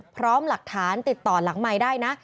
พร้อมหลักฐานติดต่อหลังไมค์ได้นะ